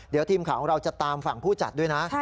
เดี๋ยวทีมข่าวของเราจะตามฝั่งผู้จัดด้วยนะ